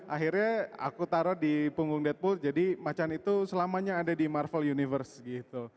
akhirnya aku taruh di punggung deadpool jadi macan itu selamanya ada di marvel universe gitu